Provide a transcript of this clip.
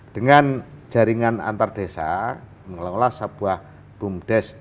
dengan jaringan antar desa mengelola sebuah bumdes